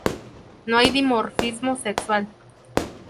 No hay dimorfismo sexual.